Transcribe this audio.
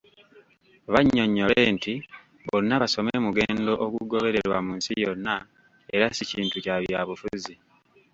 Bannyonnyole nti `Bonna Basome' mugendo ogugobererwa mu nsi yonna era si kintu kya byabufuzi.